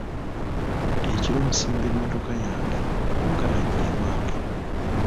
Ekiro nsimba emmotoka yange mu galagi ewange.